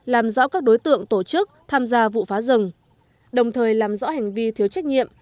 làm rõ các đối tượng tổ chức tham gia vụ phá rừng đồng thời làm rõ hành vi thiếu trách nhiệm